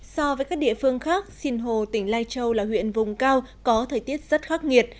so với các địa phương khác sinh hồ tỉnh lai châu là huyện vùng cao có thời tiết rất khắc nghiệt